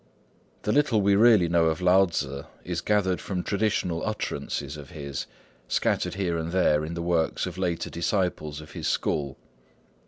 The little we really know of Lao Tzŭ is gathered from traditional utterances of his, scattered here and there in the works of later disciples of his school.